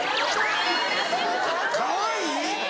かわいい？